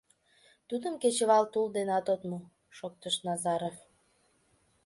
Тудым кечывал тул денат от му, — шоктыш Назаров.